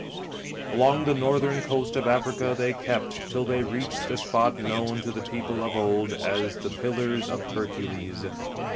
ALONG the northern coast of Africa they kept, till they reached the spot known to the people of old as the " Pillars of Hercules."